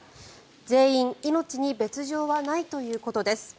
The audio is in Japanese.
全員命に別条はないということです。